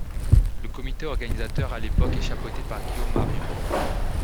Le comité organisateur, à l'époque, est chapeauté par Guillaume Marion.